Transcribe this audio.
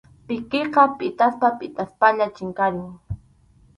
Pikiqa pʼitaspa pʼitaspalla chinkarin.